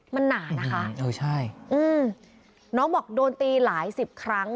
มันหนานะคะเออใช่อืมน้องบอกโดนตีหลายสิบครั้ง